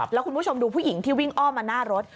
แล้วคุณผู้ชมดูผู้หญิงที่วิ่งอ้อมมาหน้ารถ